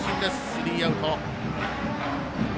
スリーアウト。